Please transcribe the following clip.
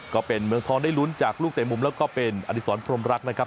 ก็เป็นเมืองทองได้ลุ้นจากลูกเตะมุมแล้วก็เป็นอดีศรพรมรักนะครับ